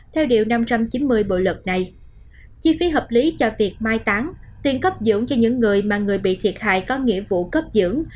theo điều năm trăm chín mươi bộ luật này chi phí hợp lý cho việc mai tán tiền cấp dưỡng cho những người mà người bị thiệt hại có nghĩa vụ cấp dưỡng